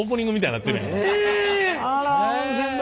あら温泉卵。